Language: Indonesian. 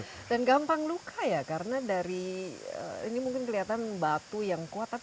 dan gampang luka ya karena dari ini mungkin kelihatan batu yang kuat